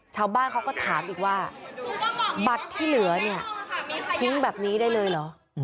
ชาวบ้านเขาก็ถามอีกว่าบัตรที่เหลือเนี่ยทิ้งแบบนี้ได้เลยเหรอ